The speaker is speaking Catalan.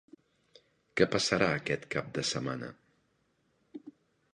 Què passarà aquest cap de setmana?